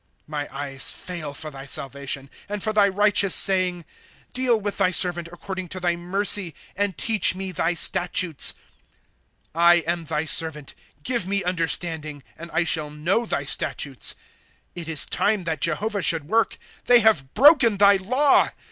■^ My eyes fail for thy salvation, And for thy righteous saying, * Deal with thy servant according to thy mercy, And teach me thy statutes. * I am thy servant, — give me understanding, And I shall know thy statutes. ^ It is time that Jehovah should work ; They have broken thy law.